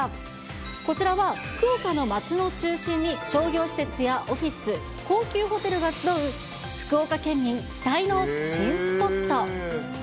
こちらは福岡の街の中心に商業施設やオフィス、高級ホテルが集う、福岡県民期待の新スポット。